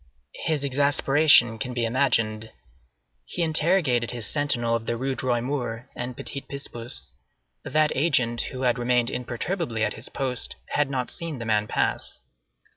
His exasperation can be imagined. He interrogated his sentinel of the Rues Droit Mur and Petit Picpus; that agent, who had remained imperturbably at his post, had not seen the man pass.